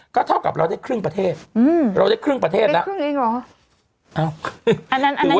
ก็เท่ากับเราได้ครึ่งประเทศเราได้ครึ่งประเทศแล้วครึ่งเองเหรอ